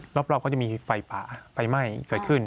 รอบก็จะมีไฟป่าไฟไหม้เกิดขึ้น